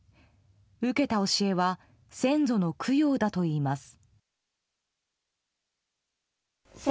受けた教えは先祖の供養だといいます。